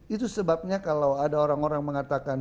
itu sebabnya kalau ada orang orang mengatakan